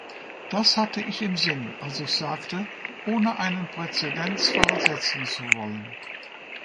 Das hatte ich im Sinn, als ich sagte, "ohne einen Präzedenzfall setzen zu wollen".